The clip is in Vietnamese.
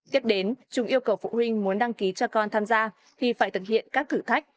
tiếp đến chúng yêu cầu phụ huynh muốn đăng ký cho con tham gia thì phải thực hiện các thử thách